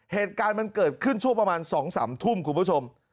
เหตุการณ์มันเกิดขึ้นช่วงประมาณ๒๓ทุ่มคุณผู้ชม